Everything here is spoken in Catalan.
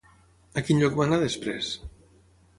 A quin lloc van anar després?